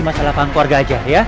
ini masalah pang keluarga aja ya